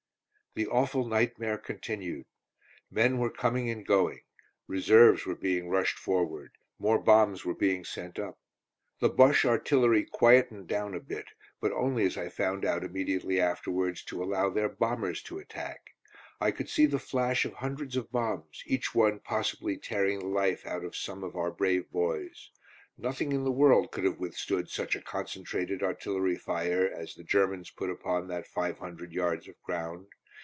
The awful nightmare continued. Men were coming and going. Reserves were being rushed forward; more bombs were being sent up. The Bosche artillery quietened down a bit, but only, as I found out immediately afterwards, to allow their bombers to attack. I could see the flash of hundreds of bombs, each one possibly tearing the life out of some of our brave boys. Nothing in the world could have withstood such a concentrated artillery fire as the Germans put upon that five hundred yards of ground.